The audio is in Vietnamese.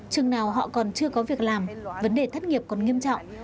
chừng nào họ còn chưa có việc làm vấn đề thất nghiệp còn nghiêm trọng